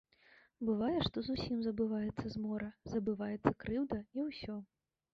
Бывае, што зусім забываецца змора, забываецца крыўда і ўсё.